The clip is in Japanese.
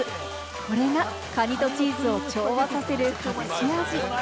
これがカニとチーズを調和させる隠し味。